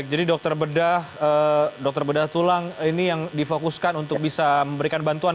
jadi dokter bedah tulang ini yang difokuskan untuk bisa memberikan bantuan